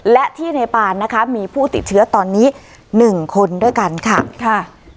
และที่ในปานนะคะมีผู้ติดเชื้อตอนนี้๑คนด้วยกันค่ะค่ะ